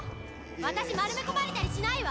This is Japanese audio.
私丸め込まれたりしないわ！